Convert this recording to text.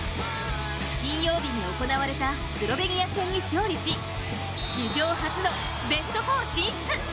金曜日に行われたスロベニア戦に勝利し史上初のベスト４進出。